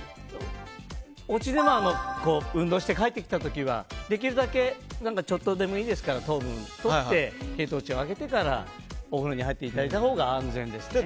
おうちで運動して帰ってきた時はできるだけちょっとでもいいですから糖分をとって血糖値を上げてからお風呂に入っていただいたほうが安全ですね。